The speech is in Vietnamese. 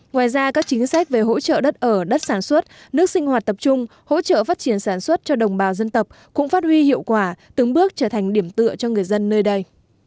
ngoài ra các chính sách về hỗ trợ đất ở đất sản xuất nước sinh hoạt tập trung hỗ trợ phát triển sản xuất cho đồng bào dân tộc cũng phát huy hiệu quả từng bước trở thành điểm tựa cho người dân nơi đây